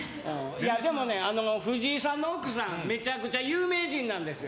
でもね、藤井さんの奥さんめちゃくちゃ有名人なんですよ。